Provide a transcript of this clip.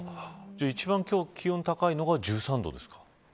一番、今日気温が高いのが１３度ですか。